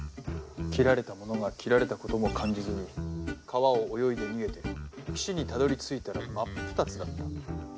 斬られた者が斬られたことも感じずに川を泳いで逃げて岸にたどりついたら真っ二つだった。